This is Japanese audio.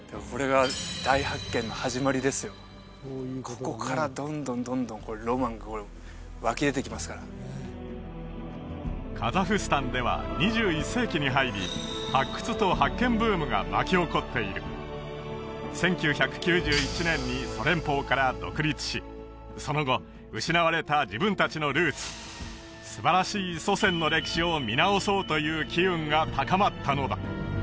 ここからどんどんどんどんこれロマンが湧き出てきますからカザフスタンでは２１世紀に入り発掘と発見ブームが巻き起こっている１９９１年にソ連邦から独立しその後失われた自分達のルーツすばらしい祖先の歴史を見直そうという機運が高まったのだ